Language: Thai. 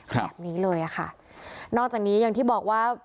แบบนี้เลยอ่ะค่ะนอกจากนี้อย่างที่บอกว่า